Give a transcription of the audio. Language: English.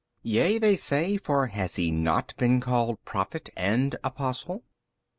B. Yea, they say, for has He not been called Prophet 42 and Apostle? A.